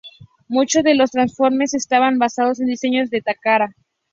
Muchos de los Transformers estaban basados en diseños de Takara.